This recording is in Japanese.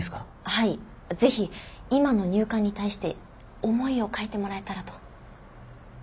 はい是非今の入管に対して思いを書いてもらえたらと。